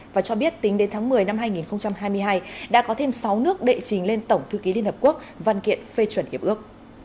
và cho biết tính đến tháng một mươi năm hai nghìn hai mươi hai đã có thêm sáu nước đệ trình lên tổng thư ký liên hợp quốc văn kiện phê chuẩn hiệp ước